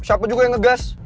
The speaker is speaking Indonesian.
siapa juga yang ngegas